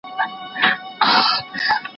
زه به د ليکلو تمرين کړی وي!.